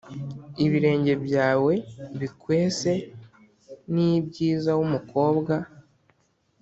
Ibirenge byawe bikwese ni byiza Wa mukobwa